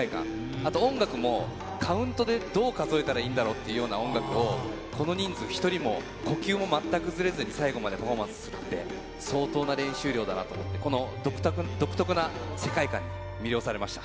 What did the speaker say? あと音楽も、カウントでどう数えたらいいんだろうっていう音楽を、この人数、１人も、呼吸もまったくずれずに最後までパフォーマンスするって、相当な練習量だなと思って、この独特な世界観に魅了されました。